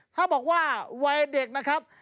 ถ้าบอกว่าวัยเด็กนะครับ